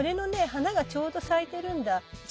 花がちょうど咲いてるんだ。